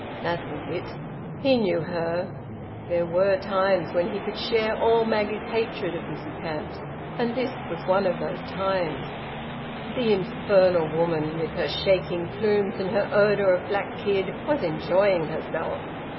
That was it! He knew her. There were times when he could share all Maggie's hatred of Mrs Hamps, and this was one of those times. The infernal woman, with her shaking plumes and her odour of black kid, was enjoying herself!